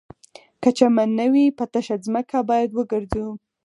که چمن نه وي په تشه ځمکه باید وګرځو